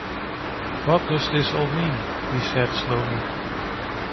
“What does this all mean?” he said slowly.